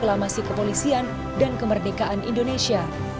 berita proklamasi kepolisian dan kemerdekaan indonesia